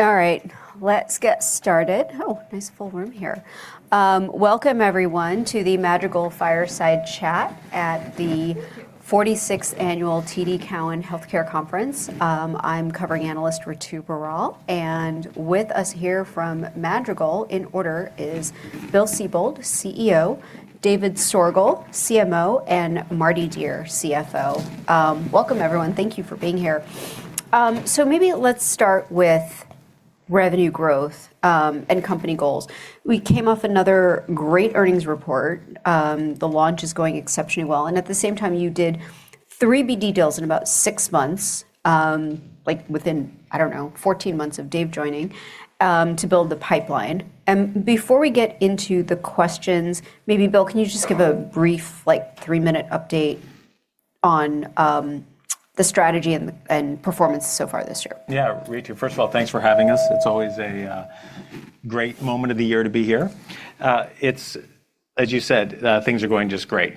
All right, let's get started. Oh, nice full room here. Welcome everyone to the Madrigal Fireside Chat at the 46th Annual TD Cowen Healthcare Conference. I'm covering analyst Ritu Baral. With us here from Madrigal, in order, is Bill Sibold, CEO, David Soergel, CMO, and Mardi Dier, CFO. Welcome everyone. Thank you for being here. Maybe let's start with revenue growth, and company goals. We came off another great earnings report. The launch is going exceptionally well, and at the same time you did 3 BD deals in about six months, like within, I don't know, 14 months of Dave joining, to build the pipeline. Before we get into the questions, maybe Bill, can you just give a brief, like three-minute update on the strategy and performance so far this year? Yeah. Ritu, first of all, thanks for having us. It's always a great moment of the year to be here. As you said, things are going just great.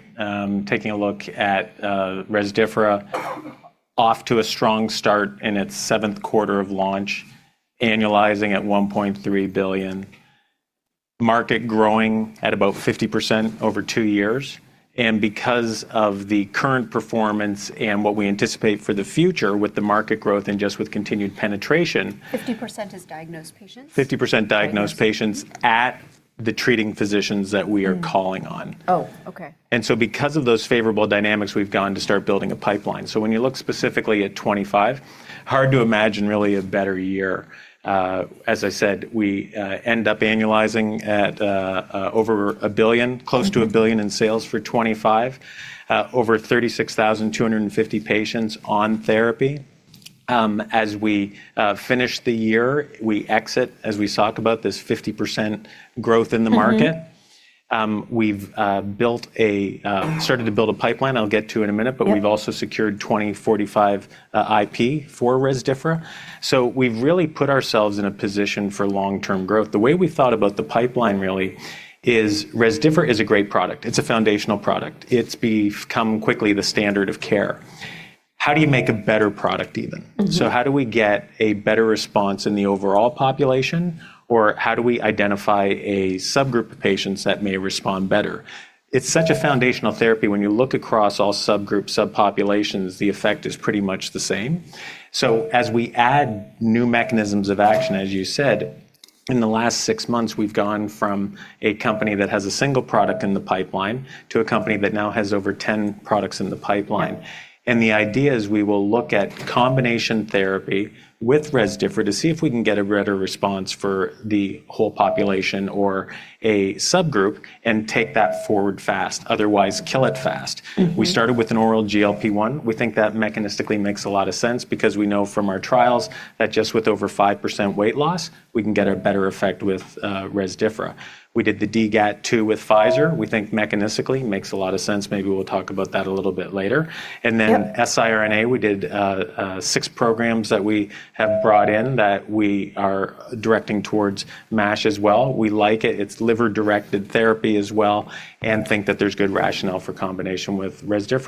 Taking a look at Rezdiffra, off to a strong start in its Q7 of launch, annualizing at $1.3 billion. Market growing at about 50% over two years. Because of the current performance and what we anticipate for the future with the market growth and just with continued penetration- 50% is diagnosed patients? 50% diagnosed patients at the treating physicians that we are calling on. Oh, okay. Because of those favorable dynamics, we've gone to start building a pipeline. When you look specifically at 2025, hard to imagine really a better year. As I said, we end up annualizing at over $1 billion- Mm-hmm. Close to $1 billion in sales for 2025. Over 36,250 patients on therapy. As we finish the year, we exit, as we talk about this 50% growth in the market. Mm-hmm. We've started to build a pipeline I'll get to in a minute. Yep We've also secured 2045 IP for Rezdiffra. We've really put ourselves in a position for long-term growth. The way we thought about the pipeline really is Rezdiffra is a great product. It's a foundational product. It's become quickly the standard of care. How do you make a better product even? Mm-hmm. How do we get a better response in the overall population, or how do we identify a subgroup of patients that may respond better? It's such a foundational therapy when you look across all subgroups, subpopulations, the effect is pretty much the same. As we add new mechanisms of action, as you said, in the last six months, we've gone from a company that has a single product in the pipeline to a company that now has over 10 products in the pipeline. Yeah. The idea is we will look at combination therapy with Rezdiffra to see if we can get a better response for the whole population or a subgroup and take that forward fast, otherwise kill it fast. Mm-hmm. We started with an oral GLP-1. We think that mechanistically makes a lot of sense because we know from our trials that just with over 5% weight loss, we can get a better effect with Rezdiffra. We did the DGAT2 with Pfizer. We think mechanistically makes a lot of sense. Maybe we'll talk about that a little bit later. Yep. siRNA, we did six programs that we have brought in that we are directing towards MASH as well. We like it. It's liver-directed therapy as well, and think that there's good rationale for combination with Rezdiffra.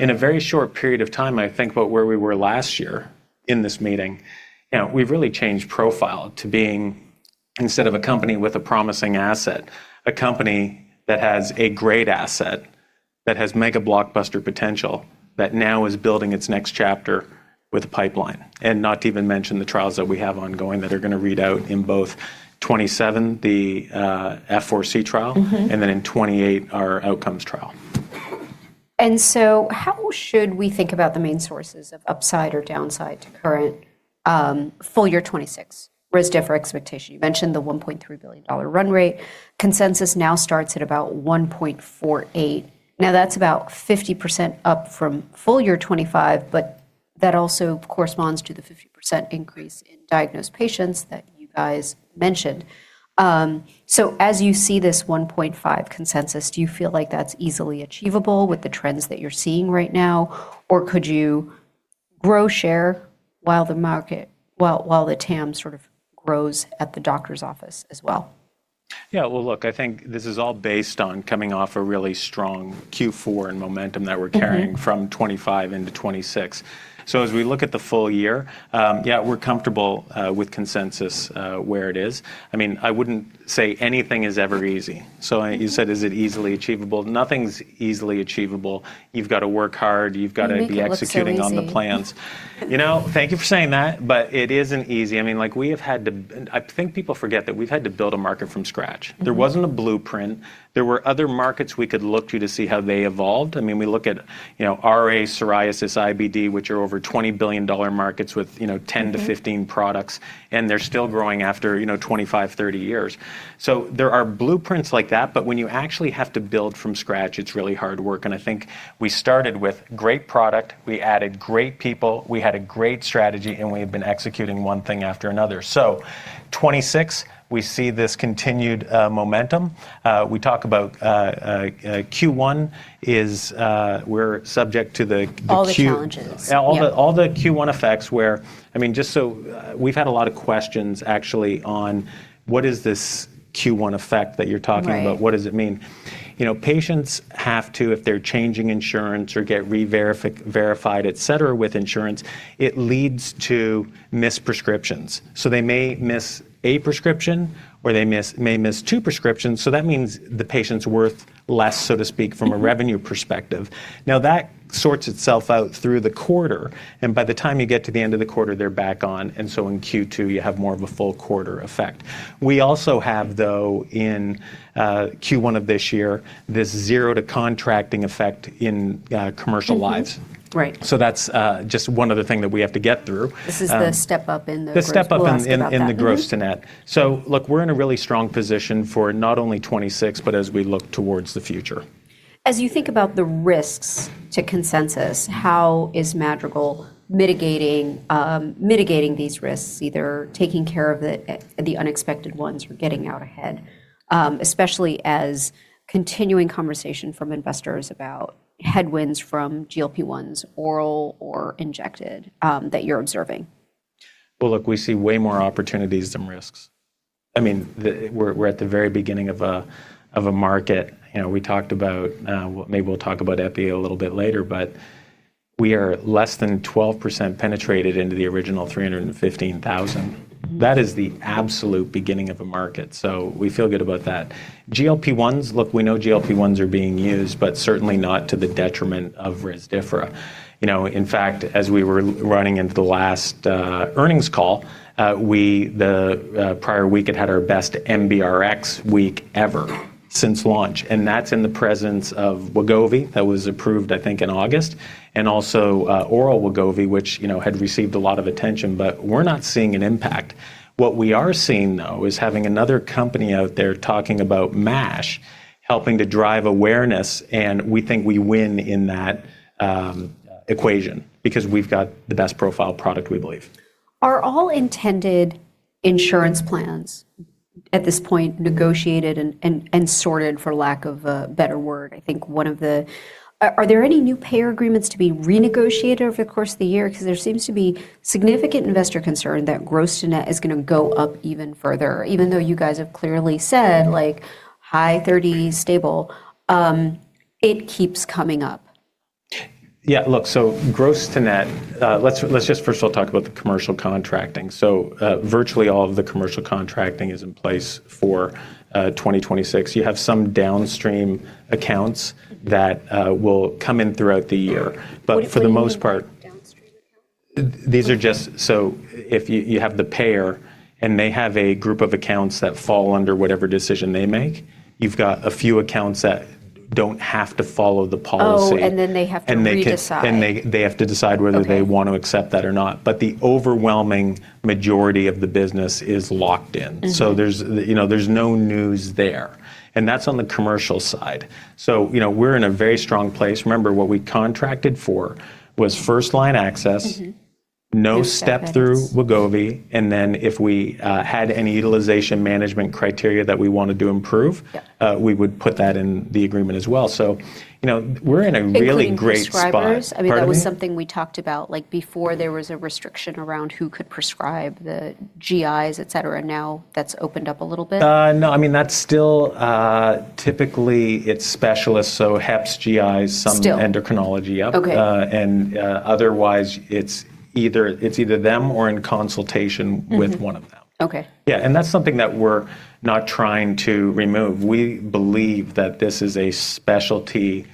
In a very short period of time, I think about where we were last year in this meeting, you know, we've really changed profile to being, instead of a company with a promising asset, a company that has a great asset, that has mega blockbuster potential, that now is building its next chapter with a pipeline. Not to even mention the trials that we have ongoing that are gonna read out in both 2027, the F4C trial. Mm-hmm... and then in 2028, our outcomes trial. How should we think about the main sources of upside or downside to current, full year 2026 Rezdiffra expectation? You mentioned the $1.3 billion run rate. Consensus now starts at about $1.48 billion. That's about 50% up from full year 2025, but that also corresponds to the 50% increase in diagnosed patients that you guys mentioned. As you see this $1.5 billion consensus, do you feel like that's easily achievable with the trends that you're seeing right now, or could you grow share while the market, while the TAM sort of grows at the doctor's office as well? Yeah. Well, look, I think this is all based on coming off a really strong Q4 and momentum that we're carrying- Mm-hmm... from 2025 into 2026. As we look at the full year, yeah, we're comfortable with consensus where it is. I mean, I wouldn't say anything is ever easy. You said, is it easily achievable? Nothing's easily achievable. You've got to work hard. You've got to be executing-. You make it look so easy. on the plans. You know, thank you for saying that. It isn't easy. I mean, like, we have had to... I think people forget that we've had to build a market from scratch. Mm-hmm. There wasn't a blueprint. There were other markets we could look to to see how they evolved. I mean, we look at, you know, RA, psoriasis, IBD, which are over $20 billion markets with, you know. Mm-hmm... 10 to 15 products, and they're still growing after, you know, 25, 30 years. There are blueprints like that, but when you actually have to build from scratch, it's really hard work. I think we started with great product, we added great people, we had a great strategy, and we have been executing one thing after another. 2026, we see this continued momentum. We talk about Q1 is we're subject to the Q- All the challenges. Yep. All the Q1 effects. I mean, we've had a lot of questions actually on what is this Q1 effect that you're talking about? Right. What does it mean? You know, patients have to, if they're changing insurance or get verified, et cetera, with insurance, it leads to missed prescriptions. They may miss a prescription or they may miss 2 prescriptions, that means the patient's worth less, so to speak. Mm-hmm... from a revenue perspective. That sorts itself out through the quarter, and by the time you get to the end of the quarter, they're back on. In Q2, you have more of a full quarter effect. We also have, though, in Q1 of this year, this 0 to contracting effect in commercial lives. Mm-hmm. Right. That's just one other thing that we have to get through. This is the step up in the gross-. The step up in We'll ask about that. Mm-hmm.... in the gross to net. Look, we're in a really strong position for not only 2026, but as we look towards the future. As you think about the risks to consensus, how is Madrigal mitigating these risks, either taking care of the unexpected ones or getting out ahead, especially as continuing conversation from investors about headwinds from GLP-1s, oral or injected, that you're observing? Well, look, we see way more opportunities than risks. I mean, we're at the very beginning of a market. You know, we talked about, maybe we'll talk about Epi a little bit later, we are less than 12% penetrated into the original 315,000. That is the absolute beginning of a market. We feel good about that. GLP-1s, look, we know GLP-1s are being used, certainly not to the detriment of Rezdiffra. You know, in fact, as we were running into the last earnings call, the prior week had our best NBRx week ever since launch, that's in the presence of Wegovy that was approved, I think, in August, also, oral Wegovy, which, you know, had received a lot of attention. We're not seeing an impact. What we are seeing, though, is having another company out there talking about MASH helping to drive awareness. We think we win in that equation because we've got the best profile product, we believe. Are all intended insurance plans at this point negotiated and sorted, for lack of a better word? I think one of the... Are there any new payer agreements to be renegotiated over the course of the year? There seems to be significant investor concern that gross to net is gonna go up even further. Even though you guys have clearly said, like, high 30s stable, it keeps coming up. Look, gross to net, let's just first of all talk about the commercial contracting. Virtually all of the commercial contracting is in place for, 2026. You have some downstream accounts that, will come in throughout the year. For the most part- What do you mean by downstream accounts? If you have the payer and they have a group of accounts that fall under whatever decision they make, you've got a few accounts that don't have to follow the policy. Oh, they have to decide. They have to decide. Okay they want to accept that or not. The overwhelming majority of the business is locked in. Mm-hmm. There's, you know, there's no news there. That's on the commercial side. You know, we're in a very strong place. Remember, what we contracted for was first line access- Mm-hmm ... no step through Wegovy, and then if we had any utilization management criteria that we wanted to improve... Yeah... we would put that in the agreement as well. you know, we're in a really great spot. Including prescribers? Pardon me? I mean, that was something we talked about, like, before there was a restriction around who could prescribe, the GIs, et cetera. That's opened up a little bit. no. I mean, that's still, typically it's specialists, so HEPS, GIs. Still... endocrinology. Yep. Okay. Otherwise it's either them or in consultation with one of them. Mm-hmm. Okay. Yeah, and that's something that we're not trying to remove. We believe that this is a specialty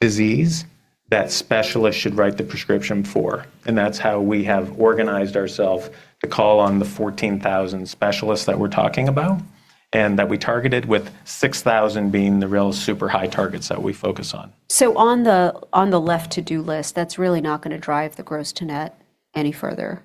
disease that specialists should write the prescription for, and that's how we have organized ourself to call on the 14,000 specialists that we're talking about and that we targeted, with 6,000 being the real super high targets that we focus on. On the left to-do list, that's really not gonna drive the gross to net any further.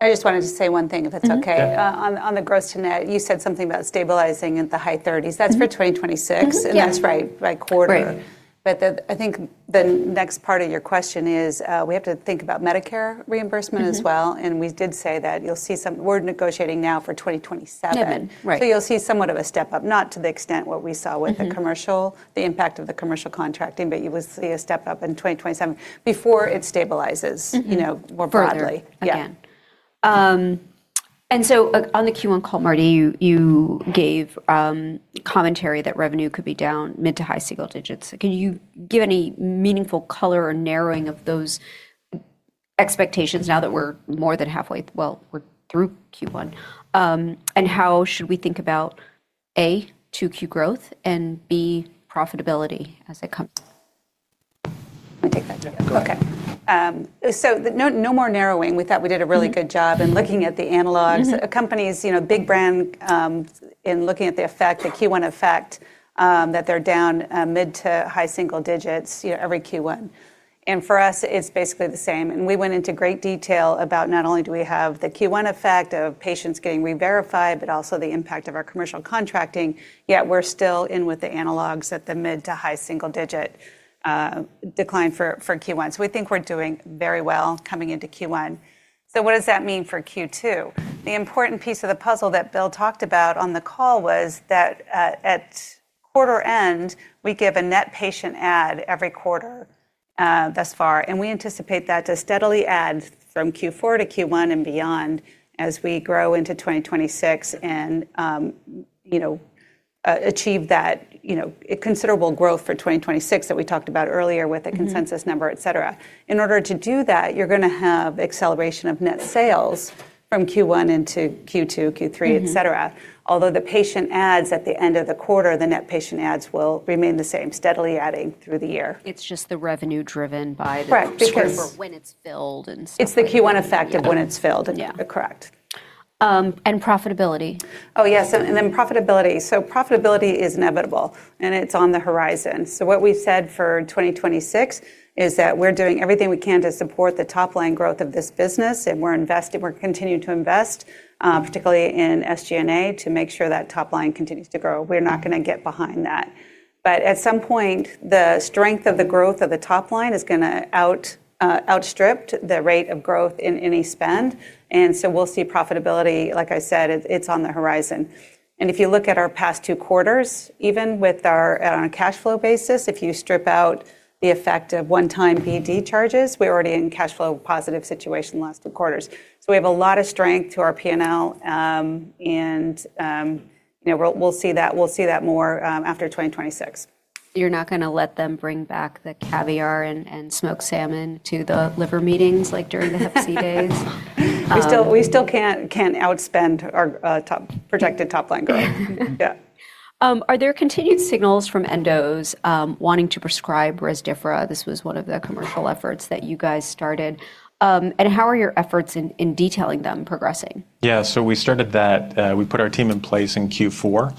I just wanted to say one thing, if that's okay. Mm-hmm. Yeah. On the gross to net, you said something about stabilizing at the high thirties. Mm-hmm. That's for 2026. Mm-hmm. Yeah. that's right quarter. Right. I think the next part of your question is, we have to think about Medicare reimbursement as well. Mm-hmm. we did say that you'll see some. We're negotiating now for 2027. Seven, right. You'll see somewhat of a step up, not to the extent what we saw with. Mm-hmm The commercial, the impact of the commercial contracting. You will see a step up in 2027 before it stabilizes. Mm-hmm you know, more broadly. Further. Yeah. On the Q1 call, Marty, you gave commentary that revenue could be down mid to high single digits. Can you give any meaningful color or narrowing of those expectations now that we're more than halfway Well, we're through Q1. How should we think about A, 2Q growth and B, profitability as it comes? I'll take that. Yeah, go ahead. Okay. No, no more narrowing. We thought we did a really good job in looking at the analogs. Mm-hmm. Companies, you know, big brand, in looking at the effect, the Q1 effect, that they're down mid-to-high single-digits, you know, every Q1. For us it's basically the same. We went into great detail about not only do we have the Q1 effect of patients getting reverified, but also the impact of our commercial contracting, yet we're still in with the analogs at the mid-to-high single-digit decline for Q1. We think we're doing very well coming into Q1. What does that mean for Q2? The important piece of the puzzle that Bill talked about on the call was that, at quarter end, we give a net patient add every quarter, thus far, and we anticipate that to steadily add from Q4 to Q1 and beyond as we grow into 2026 and, you know, achieve that, you know, considerable growth for 2026 that we talked about earlier with the consensus number, et cetera. In order to do that, you're gonna have acceleration of net sales from Q1 into Q2, Q3, et cetera. Mm-hmm. Although the patient adds at the end of the quarter, the net patient adds will remain the same, steadily adding through the year. It's just the revenue driven by. Correct. For when it's filled and stuff like that. It's the Q1 effect of when it's filled. Yeah. Correct. profitability. Oh, yes. Profitability. Profitability is inevitable, and it's on the horizon. What we said for 2026 is that we're doing everything we can to support the top-line growth of this business, and we're continuing to invest, particularly in SG&A, to make sure that top line continues to grow. We're not gonna get behind that. At some point, the strength of the growth of the top line is gonna outstrip the rate of growth in a spend. We'll see profitability. Like I said, it's on the horizon. If you look at our past two quarters, even with our, on a cash flow basis, if you strip out the effect of one-time BD charges, we're already in cash flow positive situation last two quarters. We have a lot of strength to our P&L. You know, we'll see that more after 2026. You're not gonna let them bring back the caviar and smoked salmon to the liver meetings like during the Hep C days? We still can't outspend our projected top line growth. Yeah. Are there continued signals from endos, wanting to prescribe Rezdiffra? This was one of the commercial efforts that you guys started. How are your efforts in detailing them progressing? Yeah. We started that, we put our team in place in Q4.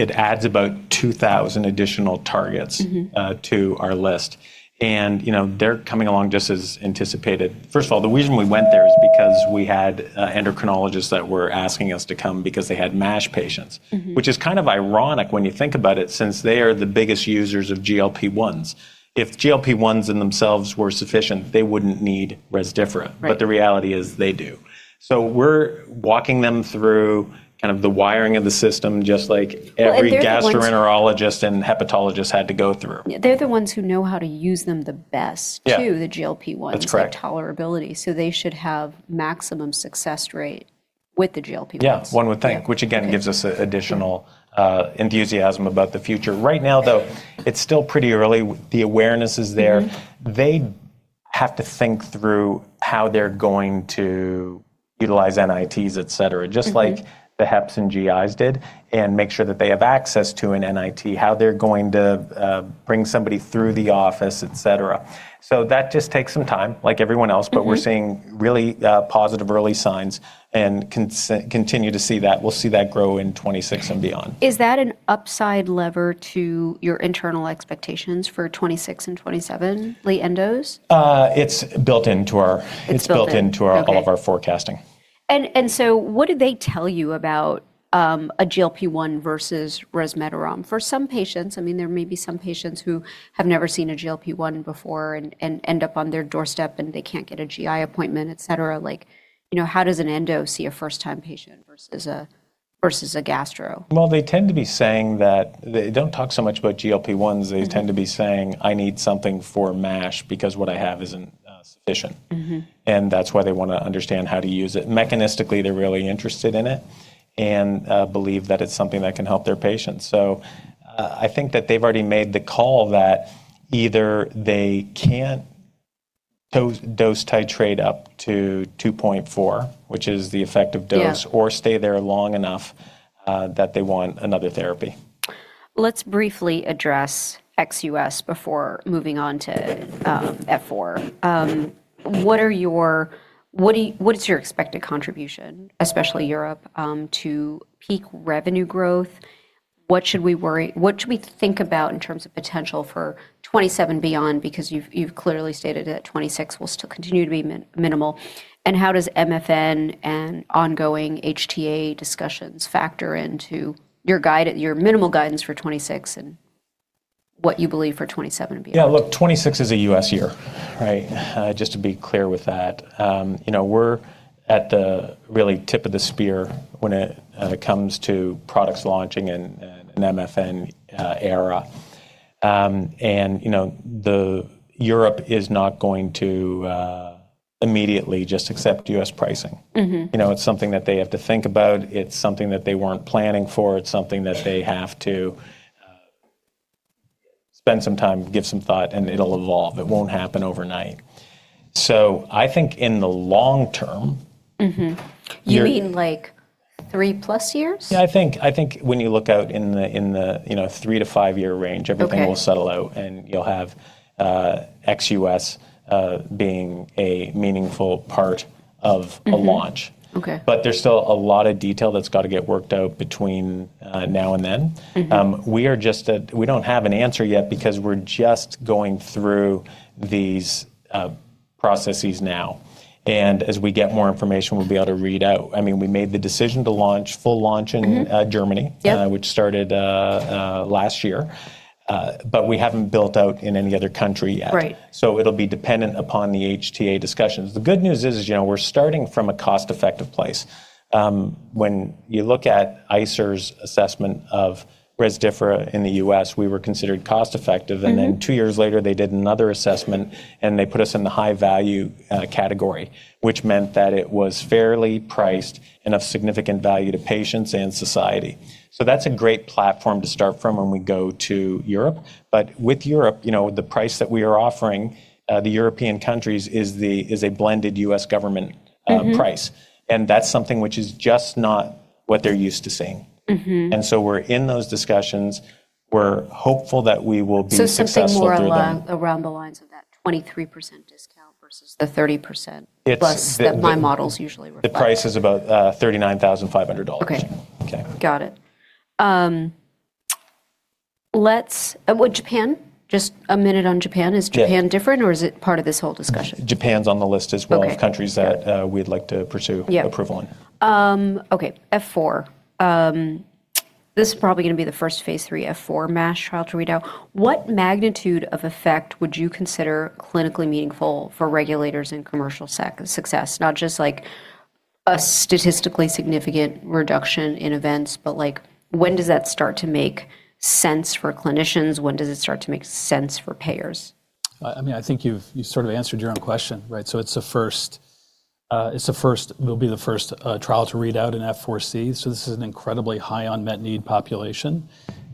It adds about 2,000 additional targets- Mm-hmm ...to our list. You know, they're coming along just as anticipated. First of all, the reason we went there is because we had endocrinologists that were asking us to come because they had MASH patients. Mm-hmm. Which is kind of ironic when you think about it, since they are the biggest users of GLP-1s. If GLP-1s in themselves were sufficient, they wouldn't need Rezdiffra. Right. The reality is they do. We're walking them through kind of the wiring of the system, just like. Well, they're the ones. gastroenterologist and hepatologist had to go through. Yeah. They're the ones who know how to use them the best too. Yeah the GLP-1s. That's correct. their tolerability, so they should have maximum success rate with the GLP-1s. Yeah. One would think. Yeah. Again, gives us additional enthusiasm about the future. Right now, though, it's still pretty early. The awareness is there. Mm-hmm. They have to think through how they're going to utilize NITs, et cetera. Mm-hmm ...just like the Heps and GIs did, and make sure that they have access to an NIT, how they're going to bring somebody through the office, et cetera. That just takes some time, like everyone else. Mm-hmm We're seeing really, positive early signs and continue to see that. We'll see that grow in 26 and beyond. Is that an upside lever to your internal expectations for 2026 and 2027, Lee, endos? it's built into. It's built in. It's built into our... Okay all of our forecasting. What did they tell you about a GLP-1 versus resmetirom? For some patients, I mean, there may be some patients who have never seen a GLP-1 before and end up on their doorstep, and they can't get a GI appointment, et cetera. Like, you know, how does an endo see a first-time patient versus a gastro? Well, they tend to be saying that. They don't talk so much about GLP-1s. Mm-hmm. They tend to be saying, "I need something for MASH because what I have isn't sufficient. Mm-hmm. That's why they wanna understand how to use it. Mechanistically, they're really interested in it and believe that it's something that can help their patients. I think that they've already made the call that either they can't dose titrate up to 2.4, which is the effective dose. Yeah ...or stay there long enough that they want another therapy. Let's briefly address ex-U.S. before moving on to F4. What is your expected contribution, especially Europe, to peak revenue growth? What should we think about in terms of potential for 2027 beyond? Because you've clearly stated that 2026 will still continue to be minimal. How does MFN and ongoing HTA discussions factor into your minimal guidance for 2026 and what you believe for 2027 and beyond? Yeah. Look, 26 is a U.S. year, right? Just to be clear with that. You know, we're at the really tip of the spear when it comes to products launching in an MFN era. You know, Europe is not going to immediately just accept U.S. pricing. Mm-hmm. You know, it's something that they have to think about. It's something that they weren't planning for. It's something that they have to, spend some time, give some thought, and it'll evolve. It won't happen overnight. I think in the long term. Mm-hmm ...year- You mean, like, three plus years? Yeah, I think when you look out in the, you know, three-five year range. Okay everything will settle out, and you'll have, ex US, being a meaningful part of. Mm-hmm ...a launch. Okay. There's still a lot of detail that's gotta get worked out between, now and then. Mm-hmm. We don't have an answer yet because we're just going through these processes now. As we get more information, we'll be able to read out. I mean, we made the decision to launch, full launch in. Mm-hmm ...uh, Germany- Yep ...which started last year. We haven't built out in any other country yet. Right. It'll be dependent upon the HTA discussions. The good news is, as you know, we're starting from a cost-effective place. When you look at ICER's assessment of Rezdiffra in the U.S., we were considered cost-effective. Mm-hmm. Two years later, they did another assessment, and they put us in the high-value category, which meant that it was fairly priced and of significant value to patients and society. That's a great platform to start from when we go to Europe. With Europe, you know, the price that we are offering, the European countries is a blended U.S. government. Mm-hmm ...price, and that's something which is just not what they're used to seeing. Mm-hmm. We're in those discussions. We're hopeful that we will be successful through them. something more along, around the lines of that 23% discount versus the 30%. It's- plus that my models usually reflect. The price is about, $39,500. Okay. Okay. Got it. Let's. Japan. Just a minute on Japan. Yeah. Is Japan different, or is it part of this whole discussion? Japan's on the list as well. Okay. of countries that, we'd like to pursue- Yeah. approval in. Okay. F4. This is probably gonna be the first phase III F4 MASH trial to read out. What magnitude of effect would you consider clinically meaningful for regulators in commercial success? Not just, like, a statistically significant reduction in events, but, like, when does that start to make sense for clinicians? When does it start to make sense for payers? I mean, I think you've sort of answered your own question, right? It will be the first trial to read out in F4C. This is an incredibly high unmet need population.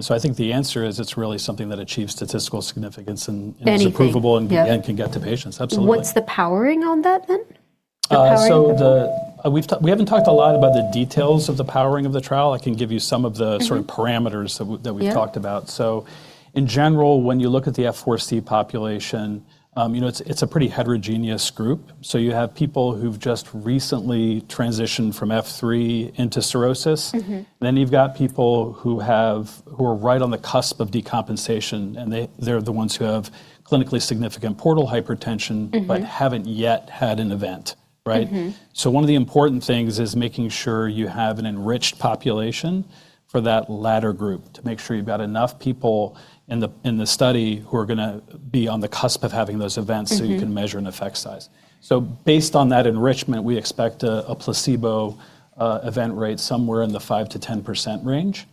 I think the answer is it's really something that achieves statistical significance and is approvable. Anything. Yeah. Can get to patients. Absolutely. What's the powering on that then? The powering- We haven't talked a lot about the details of the powering of the trial. I can give you some of the... Mm-hmm. -sort of parameters that we've talked about. Yeah. In general, when you look at the F4C population, you know, it's a pretty heterogeneous group. You have people who've just recently transitioned from F3 into cirrhosis. Mm-hmm. You've got people who are right on the cusp of decompensation, and they're the ones who have clinically significant portal hypertension. Mm-hmm. Haven't yet had an event, right? Mm-hmm. One of the important things is making sure you have an enriched population for that latter group to make sure you've got enough people in the study who are gonna be on the cusp of having those events. Mm-hmm. You can measure an effect size. Based on that enrichment, we expect a placebo event rate somewhere in the 5%-10% range.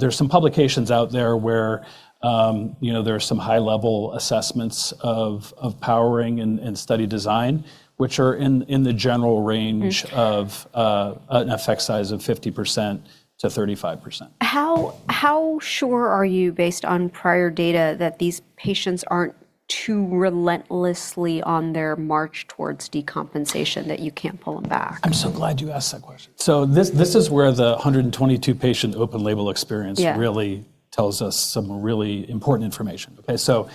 There's some publications out there where, you know, there are some high-level assessments of powering and study design, which are in the general range. Mm-hmm. -of, an effect size of 50% to 35%. How sure are you, based on prior data, that these patients aren't too relentlessly on their march towards decompensation that you can't pull them back? I'm so glad you asked that question. This is where the 122 patient open label. Yeah. really tells us some really important information. Okay. so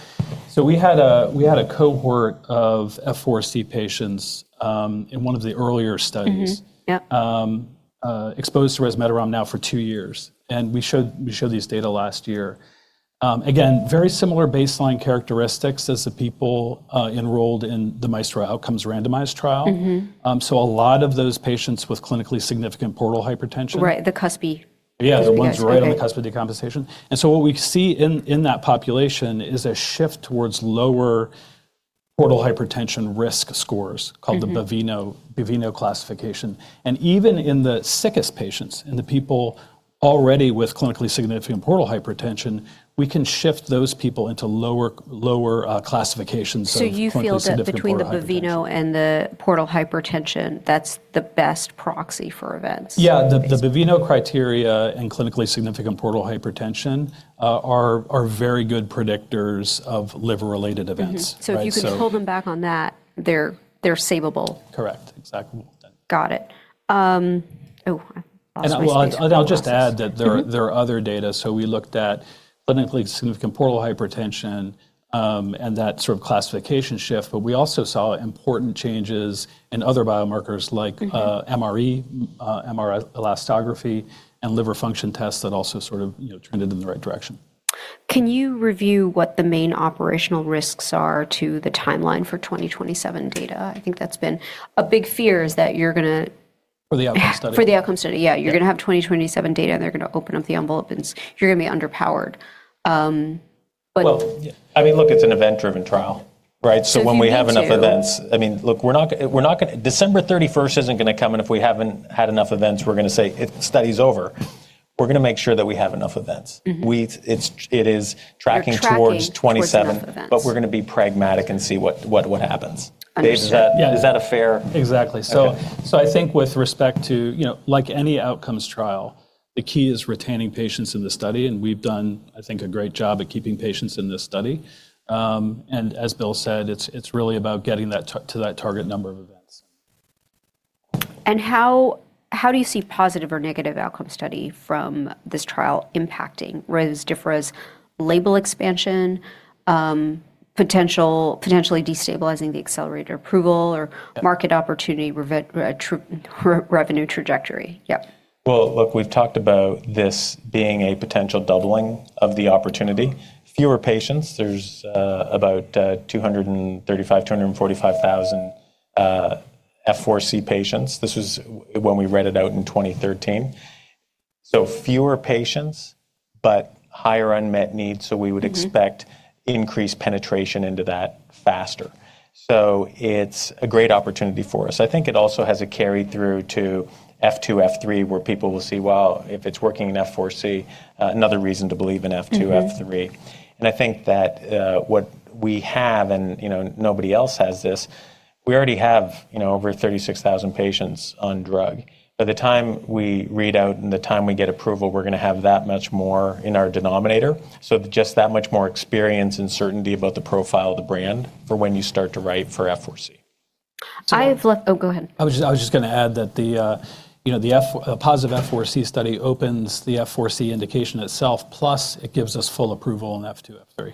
we had a cohort of F4C patients, in one of the earlier studies. Mm-hmm. Yep. exposed to resmetirom now for two years, and we showed these data last year. Again, very similar baseline characteristics as the people enrolled in the MAESTRO outcomes randomized trial. Mm-hmm. A lot of those patients with clinically significant portal hypertension. Right. The CSPC. Yeah. The ones right on the cusp of decompensation. What we see in that population is a shift towards lower portal hypertension risk scores called. Mm-hmm. Baveno classification. Even in the sickest patients and the people already with clinically significant portal hypertension, we can shift those people into lower classifications of clinically significant portal hypertension. You feel that between the Baveno and the portal hypertension, that's the best proxy for events? Yeah. The Baveno criteria and clinically significant portal hypertension are very good predictors of liver-related events. Mm-hmm. Right? If you can hold them back on that, they're savable. Correct. Exactly. Got it. Oh, I lost my space. Well, I'll just add that. Mm-hmm. there are other data. We looked at clinically significant portal hypertension, and that sort of classification shift, but we also saw important changes in other biomarkers like. Mm-hmm. MRE, MR elastography, and liver function tests that also sort of, you know, trended in the right direction. Can you review what the main operational risks are to the timeline for 2027 data? I think that's been... A big fear is that... For the outcome study. For the outcome study. Yeah. Yeah. You're gonna have 2027 data, and they're gonna open up the envelope you're gonna be underpowered. Well, yeah. I mean, look, it's an event-driven trial, right? if you need. When we have enough events, I mean, look, we're not gonna. December 31st isn't gonna come, and if we haven't had enough events, we're gonna say it, the study's over. We're gonna make sure that we have enough events. Mm-hmm. It is tracking towards- You're tracking towards enough events. 27, we're gonna be pragmatic and see what happens. Understood. Is that- Yeah. Is that a fair- Exactly. Okay. I think with respect to, you know, like any outcomes trial, the key is retaining patients in the study, and we've done, I think, a great job at keeping patients in this study. As Bill said, it's really about getting to that target number of events. How do you see positive or negative outcome study from this trial impacting whether it's Rezdiffra's label expansion, potentially destabilizing the accelerator approval or market opportunity revenue trajectory? Yep. Well, look, we've talked about this being a potential doubling of the opportunity. Fewer patients. There's about 235,000 F4C patients. This was when we read it out in 2013. Fewer patients, but higher unmet needs, we would expect- Mm-hmm. increased penetration into that faster. It's a great opportunity for us. I think it also has a carry-through to F2, F3, where people will see, well, if it's working in F4C, another reason to believe in F2, F3. Mm-hmm. I think that, what we have, and, you know, nobody else has this, we already have, you know, over 36,000 patients on drug. By the time we read out and the time we get approval, we're gonna have that much more in our denominator, just that much more experience and certainty about the profile of the brand for when you start to write for F4C. I have left... Oh, go ahead. I was just gonna add that the, you know, a positive F4C study opens the F4C indication itself, plus it gives us full approval on F2, F3.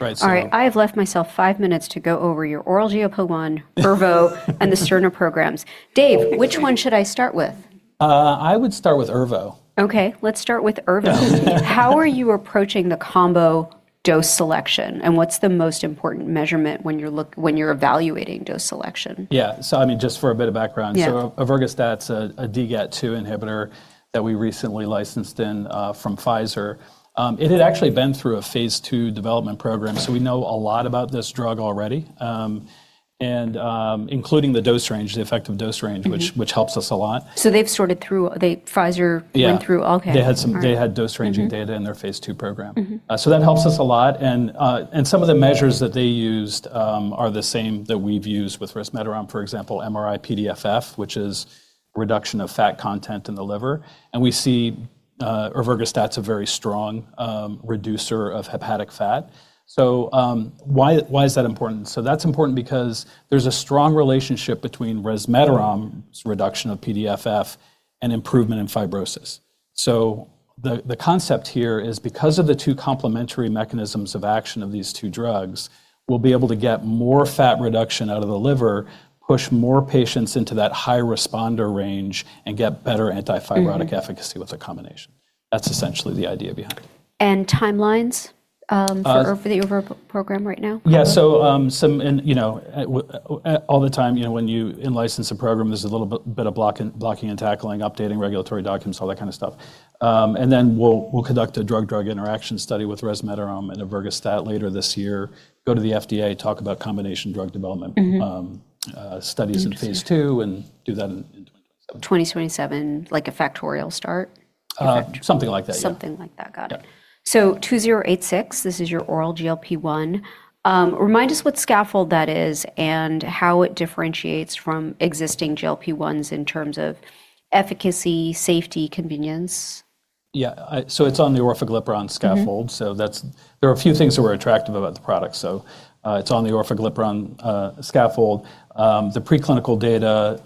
Right. All right. I have left myself 5 minutes to go over your oral GLP-1 ERVO and the siRNA programs. Dave, which one should I start with? I would start with ERVO. Okay, let's start with ERVO. How are you approaching the combo dose selection, and what's the most important measurement when you're evaluating dose selection? Yeah. I mean, just for a bit of background. Yeah. ervogastat's a DGAT2 inhibitor that we recently licensed in from Pfizer. It had actually been through a phase II development program, so we know a lot about this drug already. And including the dose range. Mm-hmm... which helps us a lot. They've sorted through, they... Pfizer- Yeah... went through? Okay. They had some- All right. They had dose ranging. Mm-hmm... data in their phase II program. Mm-hmm. That helps us a lot and some of the measures that they used are the same that we've used with resmetirom, for example, MRI-PDFF, which is reduction of fat content in the liver, and we see ervogastat's a very strong reducer of hepatic fat. Why, why is that important? That's important because there's a strong relationship between resmetirom's reduction of PDFF and improvement in fibrosis. The concept here is because of the two complementary mechanisms of action of these two drugs, we'll be able to get more fat reduction out of the liver, push more patients into that high responder range, and get better anti-fibrotic efficacy- Mm-hmm with the combination. That's essentially the idea behind it. timelines. Uh-... for the ERVO program right now? Yeah. You know, all the time, you know, when you in-license a program, there's a little bit of block and blocking and tackling, updating regulatory documents, all that kind of stuff. We'll conduct a drug-drug interaction study with resmetirom and ervogastat later this year, go to the FDA, talk about combination drug development studies in phase II. Interesting And do that in 2027. 2027, like a factorial start? something like that, yeah. Something like that. Got it. Yeah. MGL-2086, this is your oral GLP-1. Remind us what scaffold that is and how it differentiates from existing GLP-1s in terms of efficacy, safety, convenience. Yeah. It's on the orforglipron scaffold. Mm-hmm. That's... There are a few things that were attractive about the product. It's on the orforglipron scaffold. The preclinical data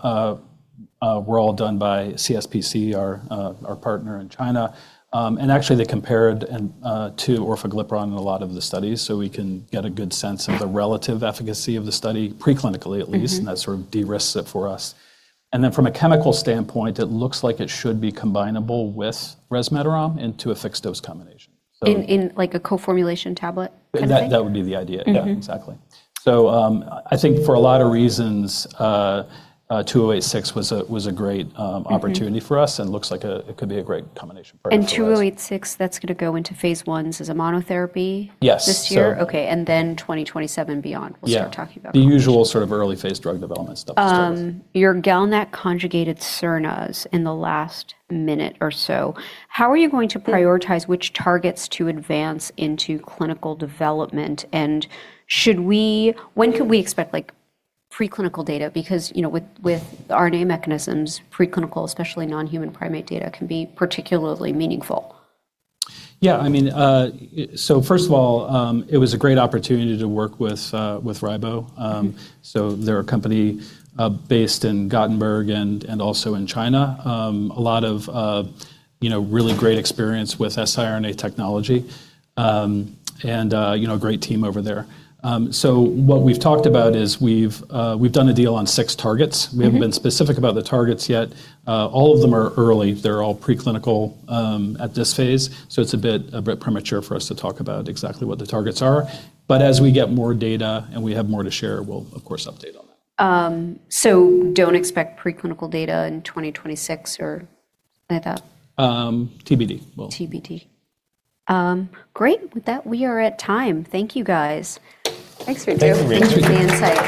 were all done by CSPC, our partner in China. Actually, they compared an to orforglipron in a lot of the studies, so we can get a good sense of the relative efficacy of the study, preclinically at least. Mm-hmm. That sort of de-risks it for us. Then from a chemical standpoint, it looks like it should be combinable with resmetirom into a fixed-dose combination. In, like, a co-formulation tablet kind of thing? That would be the idea. Mm-hmm. Yeah, exactly. I think for a lot of reasons, 2086 was a great opportunity. Mm-hmm for us and looks like it could be a great combination product for us. MGL-2086, that's going to go into phase I as a monotherapy. Yes this year? So- Okay. 2027 Yeah... we'll start talking about combinations. The usual sort of early phase drug development stuff to start with. Your GalNAc conjugated siRNAs in the last minute or so, how are you going to prioritize which targets to advance into clinical development, when could we expect, like, preclinical data? Because, you know, with RNA mechanisms, preclinical, especially non-human primate data, can be particularly meaningful. Yeah, I mean, first of all, it was a great opportunity to work with Ribocure. They're a company based in Gothenburg and also in China. A lot of, you know, really great experience with siRNA technology, and, you know, a great team over there. What we've talked about is we've done a deal on six targets. Mm-hmm. We haven't been specific about the targets yet. All of them are early. They're all preclinical, at this phase, so it's a bit premature for us to talk about exactly what the targets are. As we get more data and we have more to share, we'll of course update on that. Don't expect preclinical data in 2026 or anytime? TBD. TBD. great. With that, we are at time. Thank you, guys. Thanks, Victor. Thank you, Rachel. Thank you for the insight.